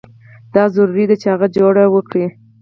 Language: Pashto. دا ضروري ده چې هغه جوړه وکړي.